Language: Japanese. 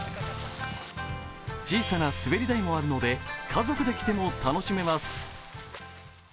小さな滑り台もあるので家族で来ても、楽しめます。